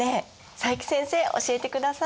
佐伯先生教えてください！